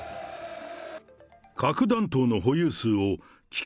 核弾頭の保有数を幾何